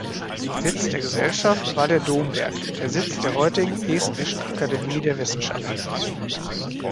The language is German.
Sitz der Gesellschaft war der Domberg, der Sitz der heutigen Estnischen Akademie der Wissenschaften.